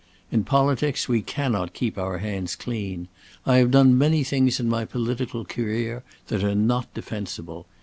In politics we cannot keep our hands clean. I have done many things in my political career that are not defensible.